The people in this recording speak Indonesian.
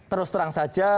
terus terang saja